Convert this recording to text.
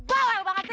bawel banget sih